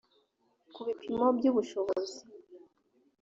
ku bipimo by ubushobozi